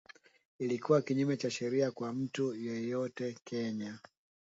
ilikuwa kinyume cha sheria kwa mtu yeyote Kenya